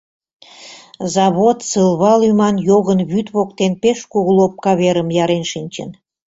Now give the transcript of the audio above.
Завод Сылва лӱман йогын вӱд воктен пеш кугу лопка верым ярен шинчын.